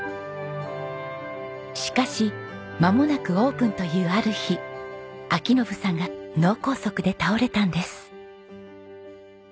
しかしまもなくオープンというある日章伸さんが脳梗塞で倒れたんです。